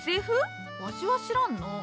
わしは知らんのう。